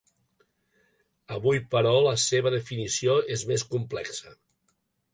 Avui, però, la seva definició és més complexa.